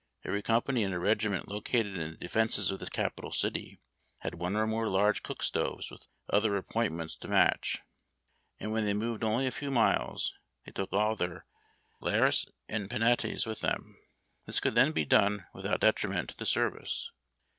Every company in a regiment located in the defences of the capital city had one or more large cook stoves with other appointments to match, and when they moved only a few miles they took all their lares and penates with them. This could then be done without detriment to the service.